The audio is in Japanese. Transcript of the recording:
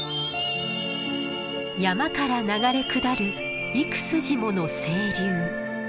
山から流れ下る幾筋もの清流。